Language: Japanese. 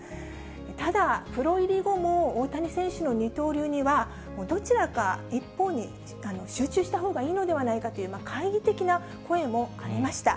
ただ、プロ入り後も大谷選手の二刀流には、どちらか一方に集中したほうがいいのではないかという懐疑的な声もありました。